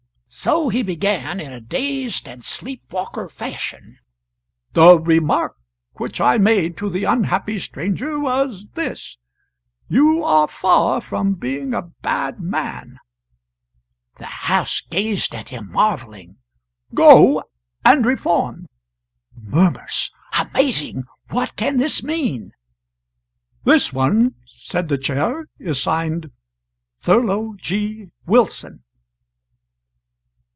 So he began, in a dazed and sleep walker fashion: "'The remark which I made to the unhappy stranger was this: "You are far from being a bad man. [The house gazed at him marvelling.] Go, and reform."' [Murmurs: "Amazing! what can this mean?"] This one," said the Chair, "is signed Thurlow G. Wilson."